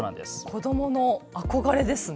子どもの憧れですね。